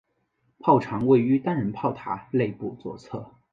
炮长位于单人炮塔内部左侧。